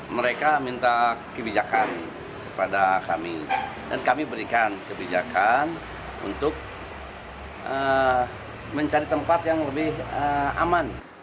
mereka minta kebijakan kepada kami dan kami berikan kebijakan untuk mencari tempat yang lebih aman